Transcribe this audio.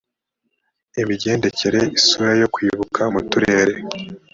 v imigendekere isura yo kwibuka mu turere